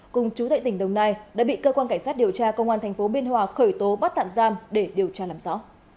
cùng chú tại tỉnh đồng nai đã bị cơ quan cảnh sát điều tra công an tp biên hòa khởi tố bắt tạm giam để điều tra làm rõ